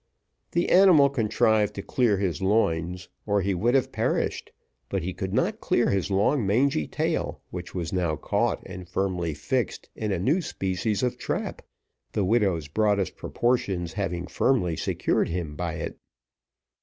The animal contrived to clear his loins, or he would have perished; but he could not clear his long mangy tail, which was now caught and firmly fixed in a new species of trap, the widow's broadest proportions having firmly secured him by it.